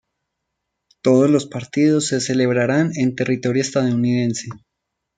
Todos los partidos se celebrarán en territorio estadounidense.